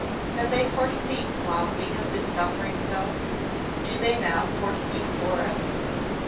Have they foreseen while we have been suffering so? Do they now foresee for us?"